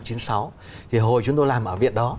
thì hồi chúng tôi làm ở viện đó